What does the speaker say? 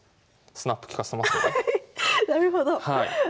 なるほど。